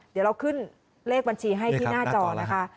เดี๋ยวเราขึ้นเลขบัญชีให้ที่หน้าจอนะคะ